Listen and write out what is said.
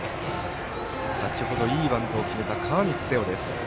先ほどいいバントを決めた川満です。